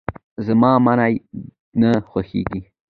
زما منی نه خوښيږي.